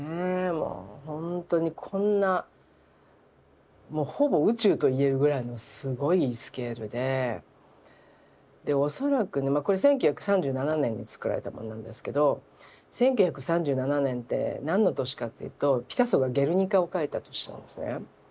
もうほんとにこんなもうほぼ宇宙と言えるぐらいのすごいスケールで恐らくこれ１９３７年に作られたものなんですけど１９３７年って何の年かっていうとピカソが「ゲルニカ」を描いた年なんですね。